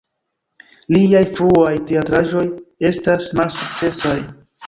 Liaj fruaj teatraĵoj estas malsukcesaj.